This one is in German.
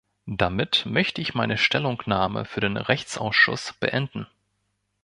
Damit möchte ich meine Stellungnahme für den Rechtsausschuss beenden.